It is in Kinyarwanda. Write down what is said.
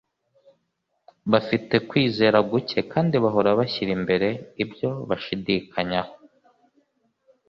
bafite kwizera guke kandi bahora bashyira imbere ibyo bashidikanyaho.